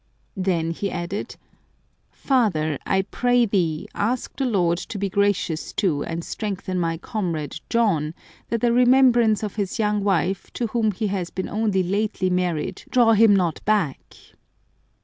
Then he added, " Father, I pray thee> 170 Some Crazy Saints ask the Lord to be gracious to and strengthen my comrade John, that the remembrance of his young wife, to whom he has been only lately married, draw him not back."